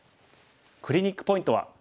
クリニックポイントは。